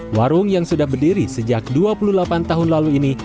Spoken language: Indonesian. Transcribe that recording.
warung yang sudah berdiri sejak dua puluh delapan tahun lalu ini